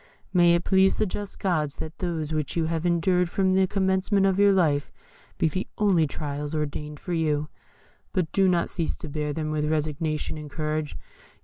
May it please the just gods that those which you have endured from the commencement of your life be the only trials ordained for you. But do not cease to bear them with resignation and courage.